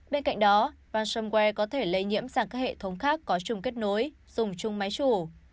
bên cạnh đó vansomware có thể lây nhiễm sang các hệ thống khác có chung kết nối dùng chung máy chủ